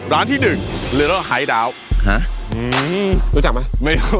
ร้านที่หนึ่งเหลือรถไฮดาวท์ฮะอืมรู้จักปะไม่รู้